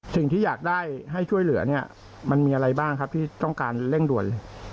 สิ่งที่อยากได้ให้ช่วยเหลือเนี่ยมันมีอะไรบ้างครับที่ต้องการเร่งด่วนเลย